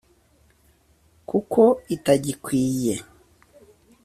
kuko itagikwiye